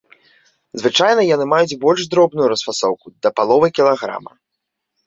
Звычайна яны маюць больш дробную расфасоўку, да паловы кілаграма.